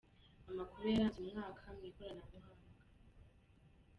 Amakuru yaranze umwaka mu ikoranabuhanga